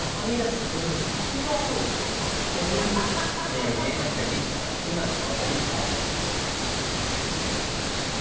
名言なだけに始末が悪いな。